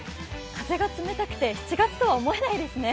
風が冷たくて７月とは思えないですね。